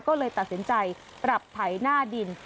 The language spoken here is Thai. ก็เลยตัดสินใจปรับไถหน้าดิน